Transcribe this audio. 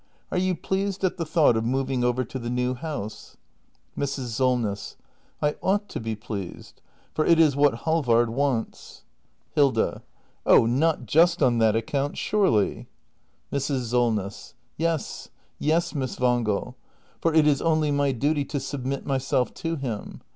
] Are you pleased at the thought of moving over to the new house ? Mrs. Solness. I ought to be pleased ; for it is what Halvard wants act in] THE MASTER BUILDER 391 Hilda. Oh, not just on that account, surely. Mrs. Solness. Yes, yes, Miss Wangel; for it is only my duty to sub mit myself to him.